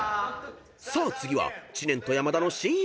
［さあ次は知念と山田の親友対決］